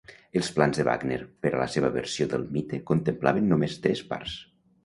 Els plans de Wagner per a la seva versió del mite contemplaven només tres parts.